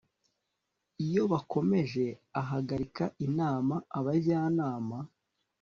iyo bakomeje ahagarika inama abajyanama